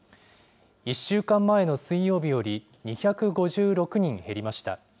１週間前の水曜日より２５６人減りました。